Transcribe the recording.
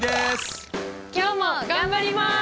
今日も頑張ります！